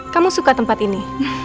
kamu suka tempat ini